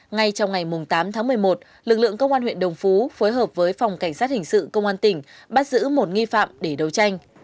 ngay trong ngày tám tháng một mươi một lực lượng công an huyện đồng phú phối hợp với phòng cảnh sát hình sự công an tỉnh bắt giữ một nghi phạm để đấu tranh